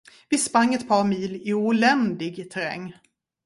Vi sprang ett par mil i oländig terräng.